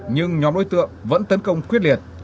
nhưng nhóm đối tượng vẫn tấn công quyết liệt